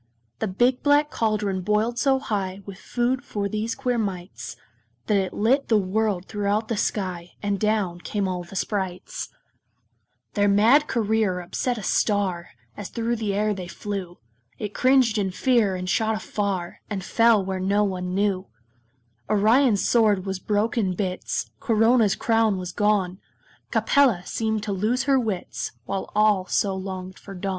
The big black caldron boiled so high With food for these queer mites, That it lit the world throughout the sky, And down came all the Sprites. [Illustration: The big black caldron] Their mad career upset a star, As through the air they flew: It cringed in fear, and shot afar, And fell where no one knew. Orion's sword was broke in bits, Corona's crown was gone, Capella seemed to lose her wits, While all so longed for dawn.